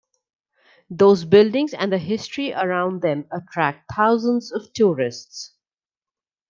Those buildings and the history around them attract thousands of tourists.